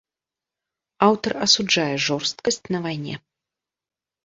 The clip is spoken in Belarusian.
Аўтар асуджае жорсткасць на вайне.